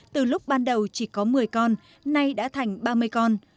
từ lúc ban đầu chỉ có một mươi con nay đã thành ba mươi con